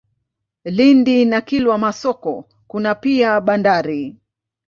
Lindi na Kilwa Masoko kuna pia bandari.